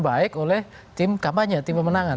baik oleh tim kampanye tim pemenangan